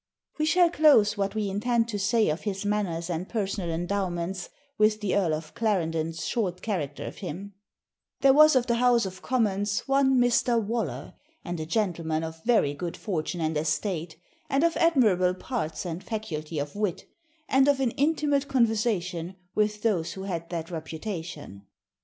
We shall close what we intend to say of his manners and personal endowments with the Earl of Clarendon's short character of him: 'There was of the House of Commons one Mr. Waller, and a gentleman of very good fortune and estate, and of admirable parts and faculty of wit, and of an intimate conversation with those who had that reputation.